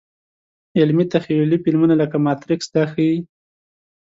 علمي – تخیلي فلمونه لکه ماتریکس دا ښيي.